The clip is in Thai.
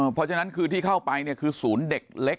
เพราะฉะนั้นคือที่เข้าไปเนี่ยคือศูนย์เด็กเล็ก